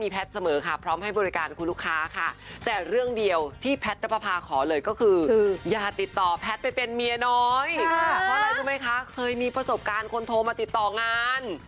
เพราะอะไรรู้ไหมคะเคยมีประสบการณ์คนโทรมาติดต่องาน